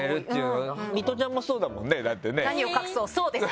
ミトちゃんもそうだもんね。